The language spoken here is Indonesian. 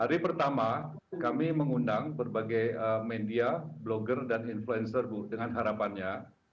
hari pertama kami mengundang berbagai media blogger dan influencer bu dengan harapannya